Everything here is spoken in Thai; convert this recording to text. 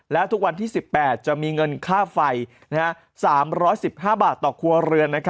และทุกวันที่๑๘จะมีเงินค่าไฟ๓๑๕บาทต่อครัวเรือน